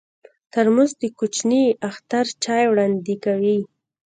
ترموز د کوچني اختر چای وړاندې کوي.